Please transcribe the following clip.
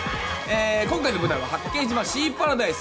今回の舞台は八景島シーパラダイス。